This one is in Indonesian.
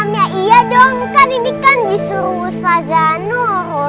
ya iya dong kan ini kan disuruh saja nurul